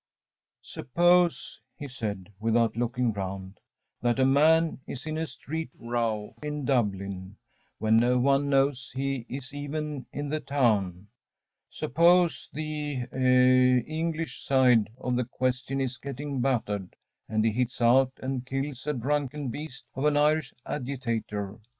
‚ÄúSuppose,‚ÄĚ he said, without looking round, “that a man is in a street row in Dublin, when no one knows he is even in the town. Suppose the eh English side of the question is getting battered, and he hits out and kills a drunken beast of an Irish agitator.